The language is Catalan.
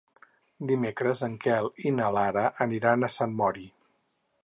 Dimecres en Quel i na Lara aniran a Sant Mori.